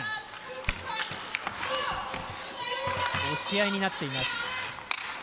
押し合いになっています。